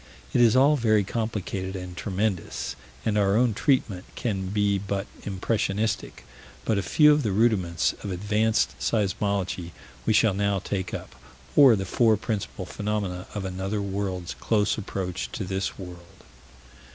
It is all very complicated and tremendous, and our own treatment can be but impressionistic, but a few of the rudiments of Advanced Seismology we shall now take up or the four principal phenomena of another world's close approach to this world.